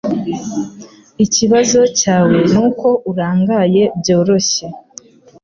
Ikibazo cyawe nuko urangaye byoroshye